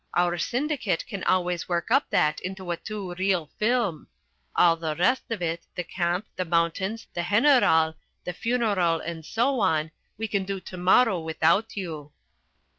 Our syndicate can always work up that into a two reel film. All the rest of it the camp, the mountains, the general, the funeral and so on we can do to morrow without you."